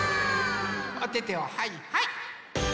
おててをはいはい。